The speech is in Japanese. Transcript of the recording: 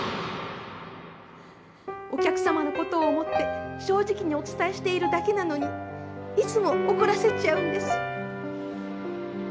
お客様のことを思って正直にお伝えしているだけなのにいつも怒らせちゃうんです。